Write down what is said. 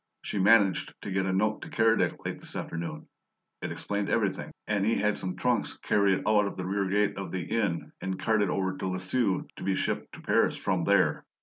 She managed to get a note to Keredec late this afternoon; it explained everything, and he had some trunks carried out the rear gate of the inn and carted over to Lisieux to be shipped to Paris from there.